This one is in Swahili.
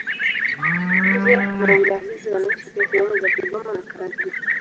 Nje na wilaya hizo wanaishi pia sehemu za Kigoma na Karagwe.